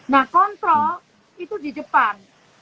nah kontrol itu di depan